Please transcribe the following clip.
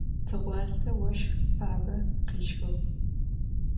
Tığuase voşx fabe khêşxığ.